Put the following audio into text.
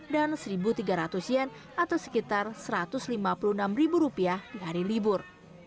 dan seribu tiga ratus yen atau sekitar satu ratus lima puluh enam ribu rupiah di hari libur